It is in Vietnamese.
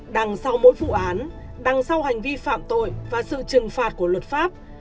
đằng sau mỗi vụ án đằng sau hành vi phạm tội và sự trừng phạt của luật pháp